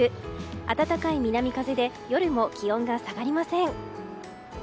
暖かい南風で夜も気温が下がりません。